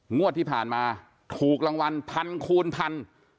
งวดที่ผ่านมาถูกรางวัลพันคูณพัน